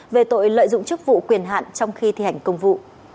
về tội lợi dụng chức vụ quyền hạn trong khi thi hành công vụ